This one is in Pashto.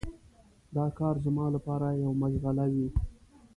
دا کار زما لپاره یوه مشغله وي.